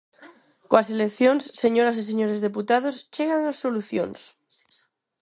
Coas eleccións, señoras e señores deputados, chegan as solucións.